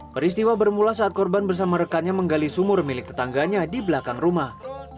peristiwa bermula saat korban bersama rekannya menggali sumur milik tetangganya di belakang rumah